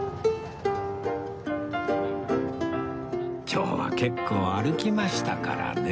今日は結構歩きましたからね